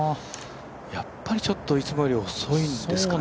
やっぱりちょっといつもより遅いんですかね。